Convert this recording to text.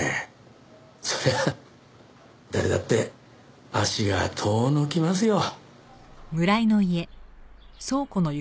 そりゃあ誰だって足が遠のきますよ。